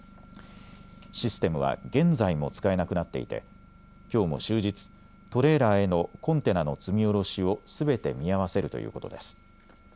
システムは現在も使えなくなっていてきょうも終日トレーラーへのコンテナの積み降ろしをすべて見合わせるということです。